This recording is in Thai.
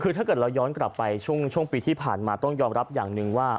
คือถ้าเกิดเราย้อนกลับไปช่วงปีที่ผ่านมาต้องยอมรับอย่างหนึ่งว่า